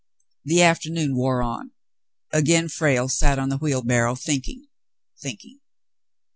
The afternoon wore on. Again Frale sat on the wheel barrow, thinking, thinking.